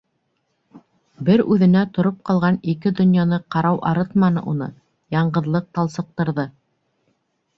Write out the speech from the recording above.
Бер үҙенә тороп ҡалған ике донъяны ҡарау арытманы уны, яңғыҙлыҡ талсыҡтырҙы.